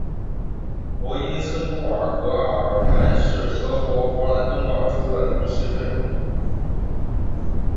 博伊岑布尔格尔兰是德国勃兰登堡州的一个市镇。